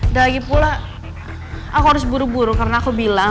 udah lagi pula aku harus buru buru karena aku bilang